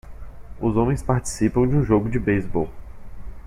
Os homens participam de um jogo de beisebol.